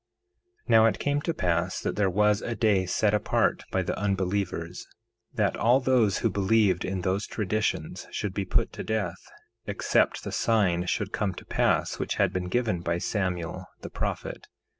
1:9 Now it came to pass that there was a day set apart by the unbelievers, that all those who believed in those traditions should be put to death except the sign should come to pass, which had been given by Samuel the prophet.